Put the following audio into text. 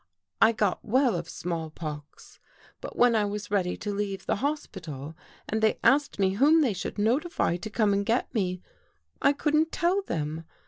I got well of small pox, but when I was ready to leave the hos pital and they asked me whom they should notify to come and get me, I couldn't tell them.